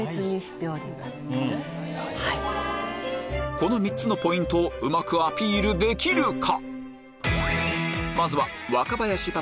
この３つのポイントをうまくアピールできるか？